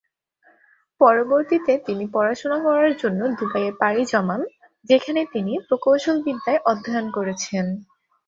পরবর্তীতে তিনি পড়াশুনা করার জন্য দুবাইয়ে পাড়ি জমান, যেখানে তিনি প্রকৌশলবিদ্যায় অধ্যয়ন করেছেন।